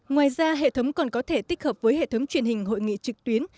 ngoài ra hệ thống còn có thể tích hợp với hệ thống truyền hình hội nghị trực tuyến